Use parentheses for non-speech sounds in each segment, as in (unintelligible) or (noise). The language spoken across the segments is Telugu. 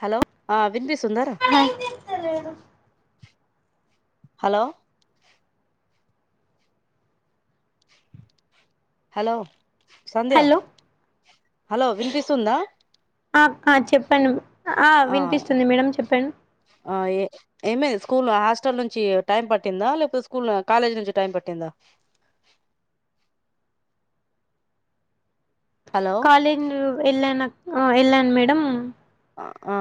హలో విన్పిి సుందరా hi hello hello Sandhya hello hello వినిపిస్తుంద ఆ ఆక్క చెప్పండ్ ఆ ఆ ఏ ఏమ్ స్కూల్ హాస్టల్ నుంచీ టైం పట్టిందా లేకపోతే స్కూల్ కాలేజ్ నుంచి టైం పట్టిందా హలో కాలేజ్ను ఎల్లాన్ అ ఎల్లాన్ మేడమ్ ఆ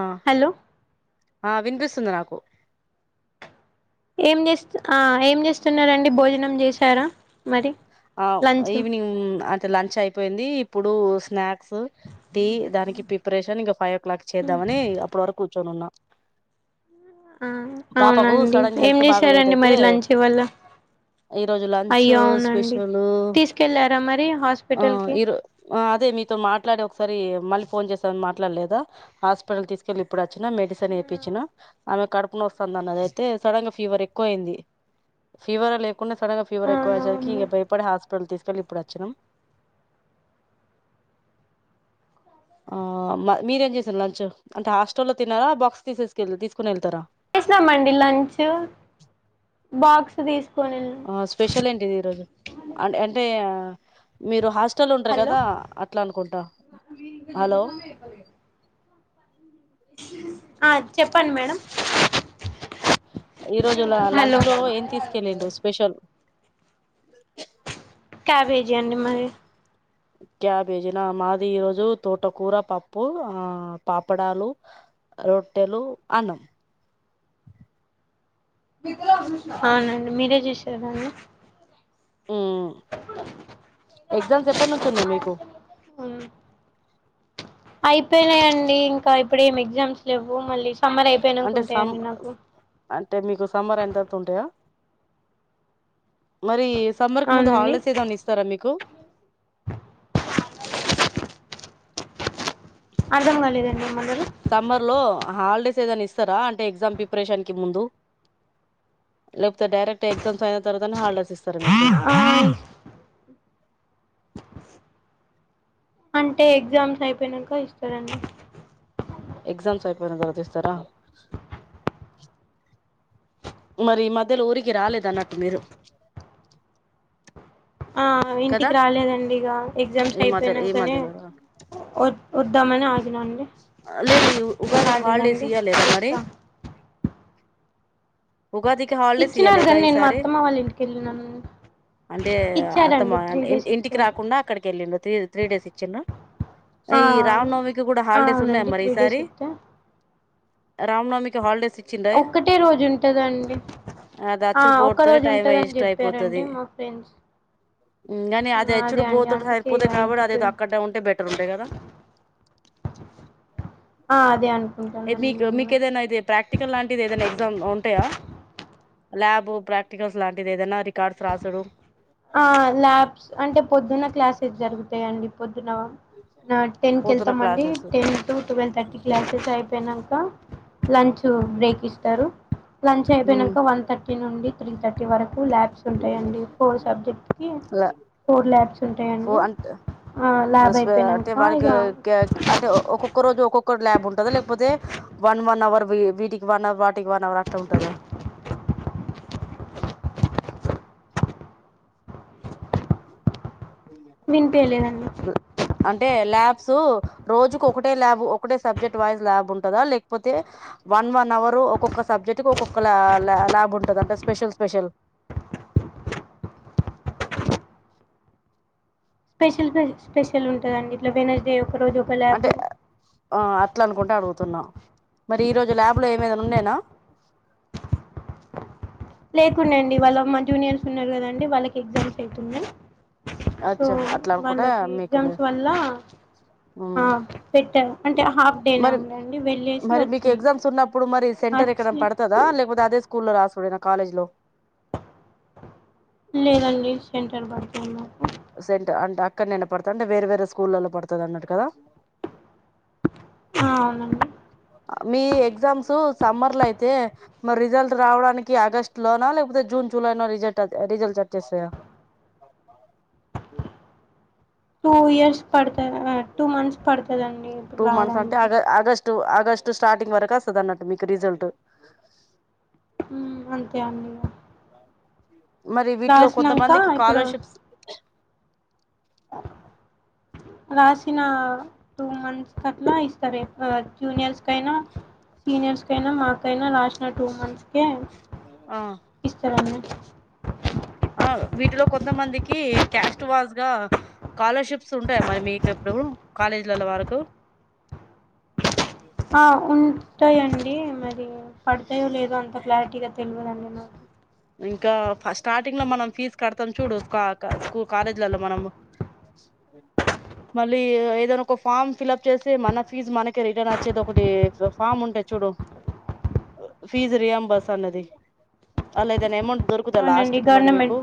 ఆ వినిపిస్తుంది నాకు ఏం చేస్తు ఏం చేస్తున్నరండి భోజనం జెసారా అ ఈవినింగ్ తే లంచ్ అయిపోయిందీ ఇప్పుడూ స్నాక్ క్స్ టీ దానికి ప్రిపరేషన్ ఇంక ఫైవ్ క్లాక్ చేద్దామనీ అప్పడవరకూర్చొని ఉన్నా ఆ పాపకు అవునండి సడన్ గా ఏం హెల్త్ చేశారండి బాగలేదయితే మరి లంచ్ ఇవళ ఈ రోజు లంచ్ అయ్యో అవునండి (unintelligible) తీసుకెళ్ళారా మరి ఆ హాస్పిటల్కి ఈరో ఆ అదే మీతో మాట్లాడి ఒకసరీ మలి ఫోన్ చేసి ఏం మాట్లాడలేదా హాస్పిటల్ తీసుకెళ్లి ఇప్పుడ చ్చిన మెడిసిన్ ఏపిచ్చిన ఆమె కడుపునొస్తంది అన్నది అయితే సడన్ గా ఫీవర్ ఎక్కువైంది ఫీవరె లేక్ ఉన్న సడన్గ ఫీవర్ ఎక్కువైయెసరికీ అవునవును ఇగ బయప్ తీసుకెళ్ళి ఇప్పుడ్ అచ్చినం ఆ మీరేం చేసారు లంచ్ అంటె హాస్టల్లో తిన్నారా బాక్స్ తీసేసుకెళ్ తీసుకునెళ్ళి చేసినామండి లంచ్ బాక్స్ తీస్ ఆ స్పెషల్ ఏంటిది ఈరోజు అంట్ అంటే మీరు హాస్ట్ టెలు ఉంటరు హలో కదా అట్ల అనుకుంట హాలో ఆ చెప్పండ్ మేడం ఈ రోజులా లంచ్ హలో లో ఏం తీసుకెళ్ళిండ్రు స్పెషల్ క్యాబేజీ అండి మాది క్యాబేజీ నా మాది ఈరోజు తోటకూర పప్పు ఆ పాపడాలు రొట్టెలు అన్నం అవునండి మీరే చేసారా అండి హ్మ్ ఎగ్జామ్స్ ఎప్పట్నుంచి ఉన్నయ్ మీకు అయిపోయినయండీ ఇంకా ఇప్పుడు ఏమి ఎగ్జామ్స్ లేవ్వు మళ్ళి సమ్మర్ అంటే సమ్ అయిపోయినకుంటయండి నాకు అంటే మీకు సమ్మర్ ఎండ్ అవుతుంటాయా మరి సమ్మర్ కి ముందు అవునండి హాలిడేస్ ఏదనా ఇస్తారా మీకు అర్ధం కాలేదండీ సమ్మర్ లో హాలిడేస్ దని ఇస్తారా అంటే ఎగ్జామ్ ప్రిపరేషన్ కి ముందు లేకపోతే డైరెక్ట్ ఎగ్జామ్స్ అయిన తర్వాతని హాలిడేస్ ఇస్తారా మీకు కు ఆ అంటే ఎగ్జామ్స్ అయిపోయిన ఇస్తారండి ఎక్జామ్స్ అయిపోయినా తర్వాత ఇస్తారా మరి ఈ మధ్యలో ఊరికి రాలేదు అన్నట్టు మీరు ఆ కదా ఇంటికి రాలేదండి ఇక ఎగ్జామ్స్ ఈ మధ్య ఈ అయిపోయినాకనే మధ్యలో రా- వద్దామని ఆగినండి ఆ లేదు ఈ ఉగాది కి హాలిడేస్ ఇయ్యలేదా మరి ఇస్తా ఉగాదికి హాలిడేస్ ఇచ్చినారు ఇవ్వలేదా కానీ నేను మా ఈసారి అత్తమ్మ వాళ్ళ ఇంటికి వెళ్ళినాను అంటే అత ఇచ్చారండి త్రీ డేస్ ఇంటికి ఇచ్చారు రాకుండా అక్కడికి వెళ్ళండ త్ర త్రీ డేస్ ఇచ్చిండ్ర ఆ ఈ రామనవమికి కూడా హాలిడేస్ అవునండి త్రీ డేస్ ఇస్తతే రామ్నవమికి హాలిడేస్ చ్చి ఒక్కటే రోజు ఉంటదండి అది ఆ ఒక్క అచ్చడిపోడితేనే రోజు టైం ఉంటదని వేస్ట్ చెప్పారండి అయిపోతుది మా ఫ్రెండ్స్ కాని అది అదే అచ్చడి అండి పోత అందుకే సరిపోతే ఇగ కాబట్టి అది ఇంటికి అక్కడ ఉంటే బెటర్ ఉంటాయి కదా ఆ అదే అనుకుంటానండి మీకు నేను మీకు కూడా ఏదైనా ప్రాక్టికల్ లాంటిది ఏదైనా ఎగ్జామ్ ఉంటాయా ల్యాబ్ ప్రాక్టికల్స్ లాంటిది ఏదైనా రికార్డ్స్ రాసుడు ఆ ల్యాబ్స్ అంటే పొద్దున్న క్లాసెస్ జరుగుతాయండి ఆ టెన్ కి పోతున్న వెళ్తాం అండి classes ten to twelve thirty classes అయిపోయానాక లంచ్ బ్రేక్ ఇస్తారు లంచ్ అయిపోనాక వన్ థర్టీ నుండి త్రీ థర్టీ వరకు ల్యాబ్స్ ఉంటాయండి ఫోర్ సబ్జెక్ట్కి ఫోర్ ల్యాబ్స్ ఫో ఉంటాయండి అంటే ల్యాబ్ అంటే అయిపోయినాక ఇక ఒక్కొక్కరు ల్యాబ్ ఉంటందా లేకపోతే వన్ వన్ అవర్ వీటికి వన్ అవర్ వాటికి వన్ అవర్ అట్లా ఉంటందా వినిపయలేదండి సో రోజుకు ఒకటే ల్యాబ్ ఒకటే సబ్జెక్ట్ వైస్ ల్యాబ్ ఉంటందా లేకపోతే వన్ వన్ అవర్ ఒక్కొక్క సబ్జెక్ట్ ఒక్కొక్క ల్యాబ్ ఉంటంది అంటే స్పెషల్ స్పెషల్ స్పెషల్ స్పెషల్ ఉంటుందండి ఇట్లా వెడ్నెస్ డే ఒకరోజు ఒక ల్యాబ్ అంటే ఆ అట్లా అనుకుంటే అడుగుతున్నా మరి ఈ రోజు ల్యాబ్ లో ఏమేదనా ఉన్నాేనా లేకుండే అండి వాళ్ళ మా జూనియర్స్ ఉన్నారు కదండి వాళ్ళకి ఎగ్జామ్స్ అవుతుంది సో అచ్చా అట్లా అనుకుంటే వాళ్ళకి మీకు లే ఎగ్జామ్స్ వల్ల అ ఉమ్. పెట్టమ్ అంటే హాఫ్ డేనే మరి ఉందండి వెల్లేసి మరి మీకు వచ్చాము ఎగ్జామ్స్ ఉన్నప్పుడు మరి సెంటర్ వచ్చి కాలేజ్లో లేదండి సెంటర్ పడుతున్నా సెంట అంటే అక్కడ నేన పడతా అంటే వేరే వేరే స్కూళ్ళలో పడుతది అన్నర్ కదా ఆ అవునండి మీ ఎగ్జామ్స్ సమ్మర్ లో అయితే మరి రిజల్ట్ రావడానికి ఆగస్ట్ లోన లేకపోతే జూన్ జూలైలో రిజల్ట్ రిజల్ట్ చచ్చేస్తాయా టూ ఇయర్స్ పడత టూ మంత్స్ పడుతుందండి ఇప్పుడు రావడానికి స్టు ఆగస్టు స్టార్టింగ్ వరకు వస్తది అన్నట్టు మీకు రిజల్ట్ ఉ అంతే అండి ఇగ మరి వీటిలో కొంతమందికి స్కాలర్షిప్స్ రాసిన టూ మంత్స్ కట్లా ఇస్తారు జూనియర్స్ తైనా సీనియర్స్ మీకైనా మాకైనా రాసిన టూ మంత్స్ ఓక ఇస్తారండి అవు వీటిలో కొంతమందికి క్యాస్ట్ వాజ్ గా స్కాలర్షిప్స్ ఉంటాయి మరి మీకు ఇప్పుడు కాలేజీలలో వరకు అ ఉంటాయండి మరి పడ్డాయో లేదో అంత క్లారిటీగా తెల్వదండి నాకు ఇంకా స్టార్టింగ్ లో మనం ఫీజ్ కడతం చూడు స్కా కాశ కాలేజ్లలో మనం మళ్ళీ ఏదైనా ఒక ఫామ్ ఫీలఫ్ చేసి మన ఫీజ్ మనకే రిటర్న్ వచ్చేది ఒకటి ఫామ్ ఉంటే చూడు ఫీజ్ రియాబస్ అన్నది అలా ఏదైనా అమౌంట్ దొరుకుత్ కుదా లాస్ట్ అవునండి కి మరి మీకు గవర్నమెంట్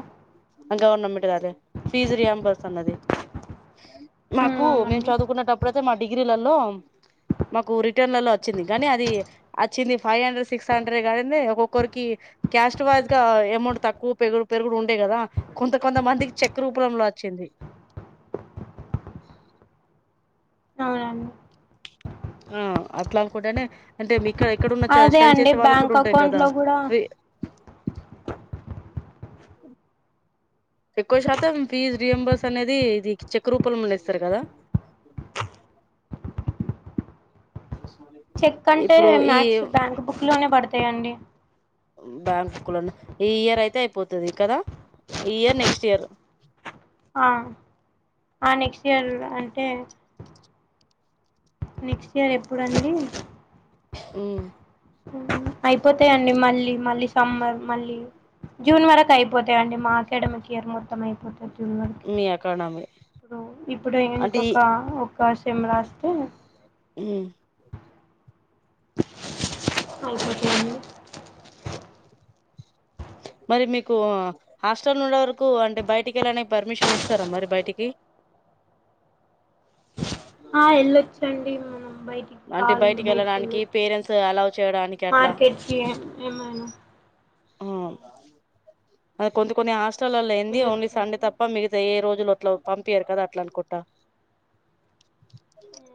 అది గవర్నమెంట్ కాదే ఫీజ్ రియాంబర్స్ అన్నది ఉమ్ మాకు మేము అవునండి చదువుకున్నటప్పుడు అయితే మా డిగ్రీలలో మాకు రిటర్న్లల వచ్చింది కానీ అది వచ్చింది ఫైవ్ హండ్రెడ్ సిక్స్ హండ్రెడ్ కాని ఒక్కొక్కరికి క్యాస్ట్ వైజ్ గా అమౌంట్ తక్కువ పెగు పెరుగుడు ఉండే కదా కొంత కొంత మందికి చెక్ రూపంలో వచ్చింది అవునండి ఆ అట్లా అనుకుంటనే అంటే మీక ఇక్కడున్న చ అదే స్టడీ అండి చేసే వాళ్ళకు కూడా బ్యాంక్ ఉంటాయి అకౌంట్ కదా లో కూడా ఫీ ఎక్కువ శాతం ఫీజ్ రియంంబర్స్ అనేది ఇది చెక్ రూపంలనే ఇస్తారు కదా చెక్ అంటే ఇప్పుడు ఈ మ్యాక్స్ బ్యాంక్ బుక్ లోనే పడుతుంది అంతే అండి బ్యాంక్ బుక్ లల్ల ఈ ఇయర్ అయితే అయిపోతది కదా ఈ ఇయర్ నెక్స్ట్ ఇయర్ ఆ ఆ నెక్స్ట్ ఇయర్ అంటే నెక్స్ట్ ఇయర్ ఎప్పుడుండి ఉ అయిపోతాయండి మళ్ళీ మళ్ళీ సంబర్ మళ్ళీ జూన్ వరకు అయిపోతాయండి మా అకాడమిక్ ఇయర్ మొత్తం అయిపోతంది మీ ఎకానమీ ఇప్పుడు ఇప్పుడు అంటే ఈ ఇంకొక ఒక టెమెరాస్త అ అవును మరి మీకు హాస్టల్ ఉండే వరకు అంటే బయటికి వెళ్ళనే పర్మిషన్ ఇస్తారా మరి బయటికి ఆ వెళ్ళొచ్చండి బయటికి అంటే కావాలంటే బయటికి వెళ్ళడానికి వెళ్ళొచ్చు పేరెంట్స్ అలవ్ చేయడానికి అట్లా మార్కెట్కి ఏమైనా ఆ అదిే కొంత కొన్ని ఆశ హాస్టల్ లల్లా ఏంది ఓన్లీ సండే వెళ్ళొచ్చండి తప్పిగా ఏ రోజు కొన్నిటిలో పంపియారు కదా అట్లా అనుకుంటా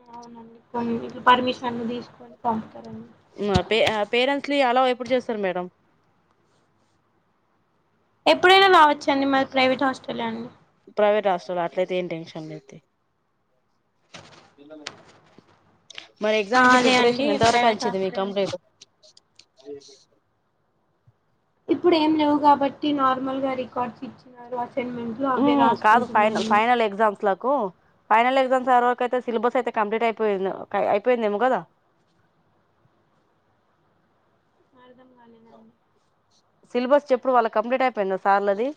ఆ అవునండి కొన్ని ఇట్లా పర్మిషన్లు తీసుకొని పంపుతారండి మా పేరెంట్స్లు నీ అల్లో ఎప్పుడు చేస్తారు మేడం ఎప్పుడైనా రావచ్చు అండి మాది ప్రైవేట్ హాస్టల్ అండి స్టాల్ ఆ అట్లయితే ఏం టెన్షన్లేదు తి మరి ఎగ్జామ్ కి అదే అండి ప్రిపరేషన్ ఎంత వరకు ప్రైవేట్ అంచిేది మీ హాస్టల్ కంప్లీట్ అ ఇప్పుడు ఏం లేవు కాబట్టి నార్మల్ గా రికార్డ్స్ ఇచ్చినారు అసైన్మెంట్లు ఉ అవే కాదు ఫైనల్ రాసుకుంటున్నామండి ఫైనల్ ఎగ్జామ్స్ లకు ఫైనల్ ఎగ్జామ్స్ ఏది వరకు అయితే సిలబస్ అయితే కంప్లీట్ అయిపోయింది అయిపోయింద ఏమో కదా కంప్లీట్ కాలేదండీ సిలబస్ చెప్పుడు వాళ్ళ కంప్లీట్ అయిపోయిందా సార్లది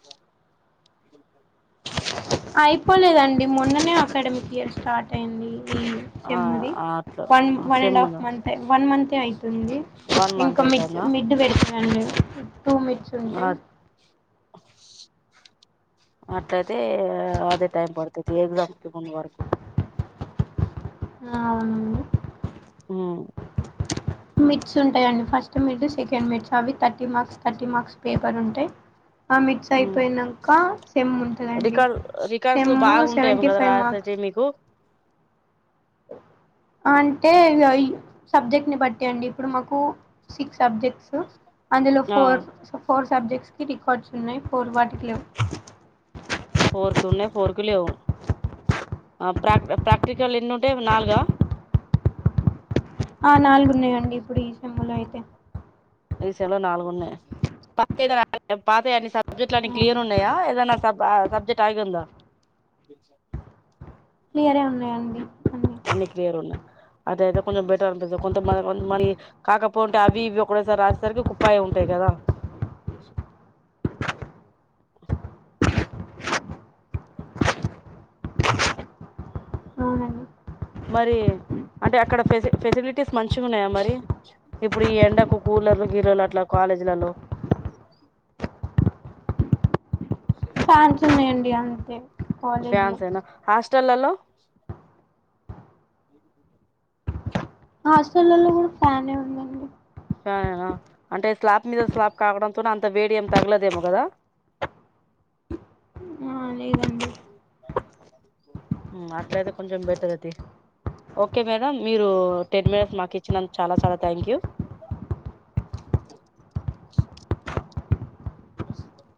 అయిపోలేదండి మొన్ననే అకాడమిక్ ఇయర్ స్టార్ట్ అయింది ఈ ఆ సేమ్ ది అట్లా one one and same half ఉందా మంత్ వన్ మంత్ ఏ అవుతుంది వన్ మంత్ ఇంకా మిడ్ అయితాందా మిడ్ పెడుతున్నారు టూ మిడ్స్ ఉంటాయి అట్లయితే అదే టైం పడుతది ఎగ్జామ్ కి ముందు వరకు అవునండి అ మీడ్స్ ఉంటాయండి ఫస్ట్ మిడ్ సెకండ్ మిట్స్ అవి thirty marks thirty marks paper ఉంటాయి ఆ మీడ్స్ ఉమ్ అయిపోయినాక సెమ్ ఉంటుందండి రికార్ రికార్డ్స్ లో సెమ్ బాగుంటాయేమో సెవెంటీ కదా ఫైవ్ మార్క్స్ రాసేటివి మీకు అంటే ఇ సబ్జెక్ట్ ని బట్టి అండి ఇప్పుడు మాకు సిక్స్ సబ్జెక్ట్ అందులో ఆ ఫోర్ ఫోర్ సబ్జెక్ట్స్ కి రీ కార్డ్స్ ఉన్నాయి ఫోర్ వాటికి లేవు ఫోర్ కు ఉన్నాయి ఫోర్ కు లేవు ప్రాక్ ప్రాక్టికల్ ఎన్నిఉంటయి నాలుగా ఆ నాలుగున్నాయండి ఇప్పుడు ఈ చెమ్ములో అయితే చెమ్ములో నాలుగు ఉన్నాయి పాటే ద పాత అన్ని సర్దు సబ్జెట్లన్ని క్లియరున్నయా ఏదైనా పే సబ్జెక్ట్ ఆయిగాంద క్లియరే ఉన్నాయండి అన్ని క్లియర్ ఉన్నాయ్ అదయితే కొంచెం బెటర్ ఉంటది కొంత మ మరి కాకపోతే ఉంటే అవి ఇవి ఒక్కటే సారి రాసేసరికి కుప్పాయి ఉంటాయి కదా అవునండి మరి అంటే అక్కడ పేసి ఫెసిలిటీస్ మంచి ఉన్నాయా మరి ఇప్పుడు ఈ ఎండకు కూలర్లు గిలర్లు అట్లా కాలేజీలలో ఫ్యాన్స్ ఉన్నాయండి అంతే కాలేజ్ లో ఫ్యాన్స్ హేన హస్ట్ స్టల్లలో మా హాస్టలలో కూడా ఫ్యానే ఉందండి ఫ్యానేనా అంటే స్లాబ్ మీద స్లాబ్ కాగడంతోనే అంత వేడి ఏమి తగలదేమో కదా ఆ లేదండి హు అట్లయితే కొంచెం బెటర్ అది ఓకే మేడం మీరు టెన్ మినిట్స్ మాకు ఇచ్చినంత చాలా చాలా థ్యాంక్ యూ మెర్సీ కమ్